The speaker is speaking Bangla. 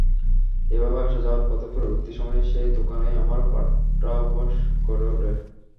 এভাবে আসা-যাওয়ার পথে পরবর্তী সময়ে সেই দোকানেই আমার পাঠাভ্যাস গড়ে ওঠে।